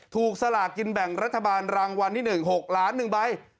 สลากกินแบ่งรัฐบาลรางวัลที่๑๖ล้าน๑ใบ